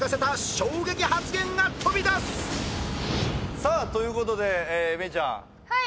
さあということで芽郁ちゃんはい！